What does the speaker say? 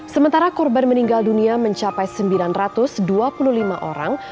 sementara korban meninggal dunia mencapai sembilan ratus dua puluh lima orang